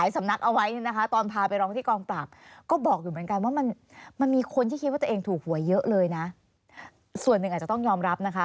ส่วนหนึ่งอาจจะต้องยอมรับนะคะ